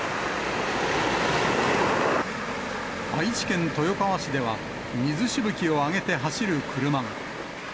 愛知県豊川市では、水しぶきを上げて走る車が。